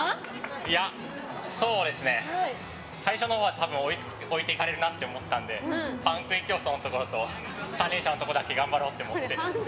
いや、最初のほうは置いて行かれるなと思ったんでパン食い競争のところと三輪車のところだけ頑張ろうと思って。